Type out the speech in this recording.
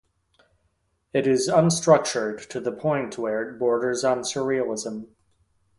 It is unstructured to the point where it borders on Surrealism.